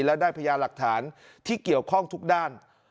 และได้พยานหลักฐานที่เกี่ยวข้องทุกด้าน